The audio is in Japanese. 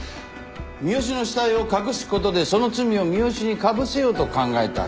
三好の死体を隠す事でその罪を三好にかぶせようと考えた。